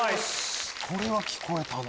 これは聞こえたな。